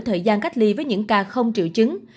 thời gian cách ly với những ca không triệu chứng